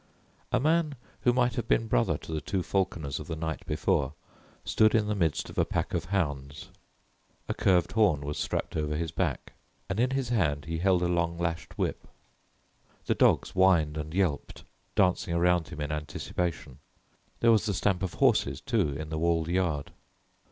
A man who might have been brother to the two falconers of the night before stood in the midst of a pack of hounds. A curved horn was strapped over his back, and in his hand he held a long lashed whip. The dogs whined and yelped, dancing around him in anticipation; there was the stamp of horses, too, in the walled yard.